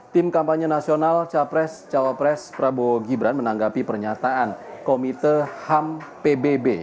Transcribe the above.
tim kampanye nasional capres cawapres prabowo gibran menanggapi pernyataan komite ham pbb